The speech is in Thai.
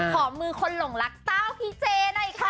ขอมือคนหลงรักเต้าพี่เจหน่อยค่ะ